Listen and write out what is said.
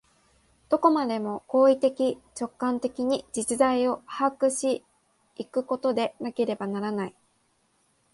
どこまでも行為的直観的に実在を把握し行くことでなければならない。